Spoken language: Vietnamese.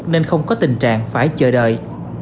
nên không có tình trạng phải chờ đợi